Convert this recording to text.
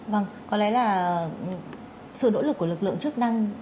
vâng có lẽ là sự nỗ lực của lực lượng chức năng